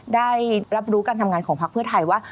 ได้รับรู้การทำงานของพักเพื่อไทยว่า